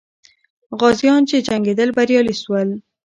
غازیان چې جنګېدل، بریالي سول.